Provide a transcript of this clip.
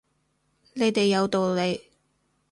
你哋有道理